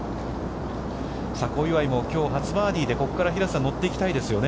小祝も、きょう初バーディーでここから、平瀬さん、乗っていきたいですよね。